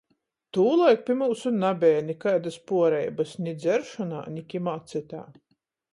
Tūlaik pi myusu nabeja nikaidys puoreibys –ni dzeršonā, ni kimā cytā.